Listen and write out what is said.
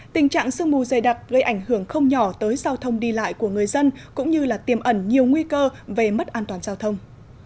tình trạng sương mù dày đặc gây ảnh hưởng không nhỏ tới giao thông đi lại của người dân cũng như tiềm ẩn nhiều nguy cơ về mất an toàn giao thông